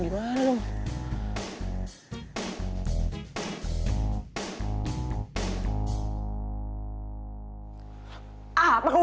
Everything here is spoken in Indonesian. bu madem gitu